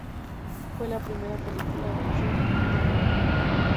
Fue la primera película de June Marlowe".